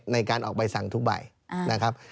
ในการออกใบสั่งทุกใบนะครับ